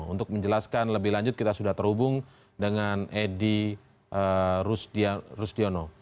untuk menjelaskan lebih lanjut kita sudah terhubung dengan edi rustiono